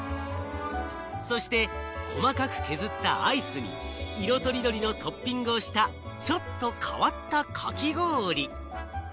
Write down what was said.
そして細かく削ったアイスに色とりどりのトッピングをした、ちょっと変わったかき氷。